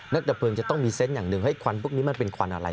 ดับเพลิงจะต้องมีเซนต์อย่างหนึ่งให้ควันพวกนี้มันเป็นควันอะไร